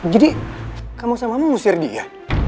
jadi kamu sama mama mau segera pergi ya